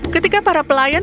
ketika para pelayan